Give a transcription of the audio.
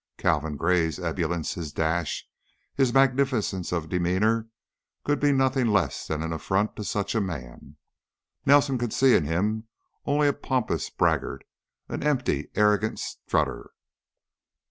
Calvin Gray's ebullience, his dash, his magnificence of demeanor, could be nothing less than an affront to such a man; Nelson could see in him only a pompous braggart, an empty, arrogant strutter.